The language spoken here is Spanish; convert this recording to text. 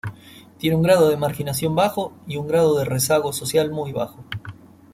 Tiene un grado de marginación bajo y un grado de rezago social muy bajo.